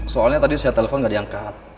soalnya tadi saya telepon nggak diangkat